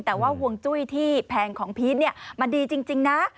แต่ว่าฮวงจุ้ยที่แผงของพีชมันดีจริงนะ